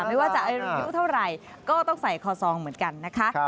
ไม่ว่าจะอายุเท่าไหร่ก็ต้องใส่คอซองเหมือนกันนะคะ